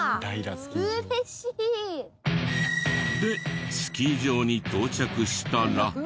嬉しい！でスキー場に到着したら。